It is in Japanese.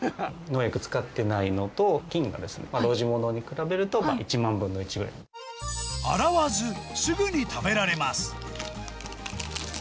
農薬を使ってないのと、菌が露地物に比べると、１万分の１ぐらい。洗わず、すぐに食べられます。